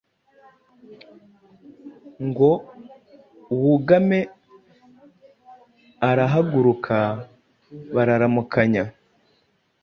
Ngo wugame». Arahaguruka, bararamukanya.